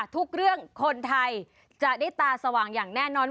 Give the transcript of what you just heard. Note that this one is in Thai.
ทุกเรื่องคนไทยจะได้ตาสว่างอย่างแน่นอน